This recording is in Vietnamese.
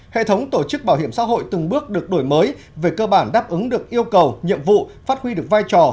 hệ thống tổ chức bảo hiểm xã hội từng bước được đổi mới về cơ bản đáp ứng được yêu cầu nhiệm vụ phát huy được vai trò